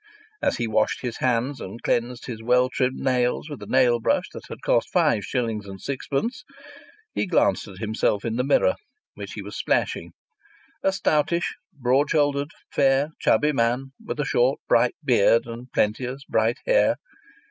As he washed his hands and cleansed his well trimmed nails with a nail brush that had cost five shillings and sixpence, he glanced at himself in the mirror, which he was splashing. A stoutish, broad shouldered, fair, chubby man, with a short bright beard and plenteous bright hair!